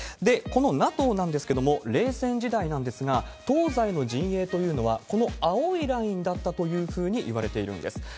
このＮＡＴＯなんですけれども、冷戦時代なんですが、東西の陣営というのはこの青いラインだったというふうにいわれているんです。